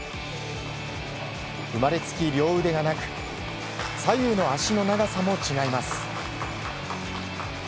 生まれつき両腕がなく左右の足の長さも違います。